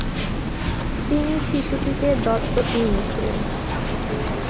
তিনি শিশুটিকে দত্তক নিয়েছিলেন।